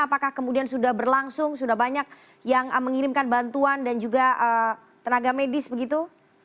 apakah kemudian sudah berlangsung sudah banyak yang mengirimkan bantuan dan juga tenaga medis begitu